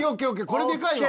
これでかいわ。